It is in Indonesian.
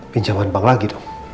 pinjaman bank lagi dong